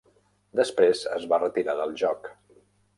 Després es va retirar del joc.